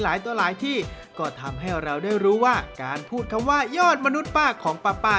หลายต่อหลายที่ก็ทำให้เราได้รู้ว่าการพูดคำว่ายอดมนุษย์ป้าของป้า